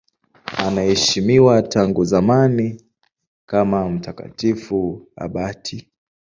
Anaheshimiwa tangu zamani kama mtakatifu abati.